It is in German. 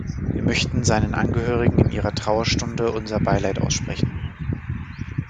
Wir möchten seinen Angehörigen in ihrer Trauerstunde unser Beileid aussprechen.